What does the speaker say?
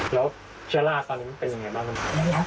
แล้วชะลากตอนนี้เป็นอย่างไรบ้าง